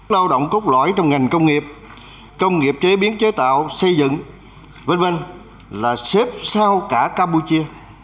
lao động cốt lõi trong ngành công nghiệp công nghiệp chế biến chế tạo xây dựng v v là xếp sau cả campuchia